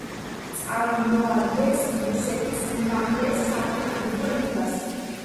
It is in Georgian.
წარმოადგენს რუსეთის უმაღლეს საფეხბურთო ლიგას.